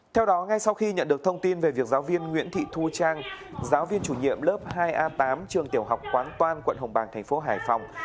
theo đó ngay sau khi nhận được thông tin về việc giáo viên nguyễn thị thu trang giáo viên chủ nhiệm lớp hai a tám trường tiểu học quán toan quận hồng bàng thành phố hải phòng